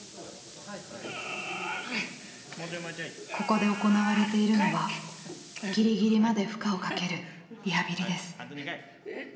ここで行われているのはぎりぎりまで負荷をかけるリハビリです。